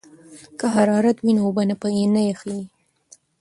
که حرارت وي نو اوبه نه یخیږي.